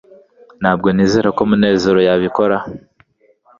ntabwo nizera ko munezero yabikora